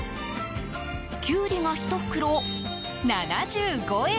キュウリが１袋７５円。